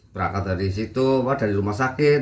berangkat dari situ dari rumah sakit